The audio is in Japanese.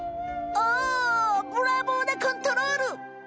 おブラボーなコントロール！